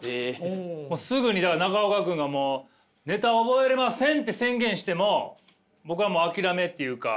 もうすぐにだから中岡君が「ネタ覚えれません！」って宣言しても僕はもう諦めっていうか。